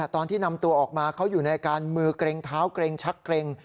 ตอนที่นำตัวออกมาเขาอยู่ในอาการมือเกร็งเท้าเกร็งชักเกร็ง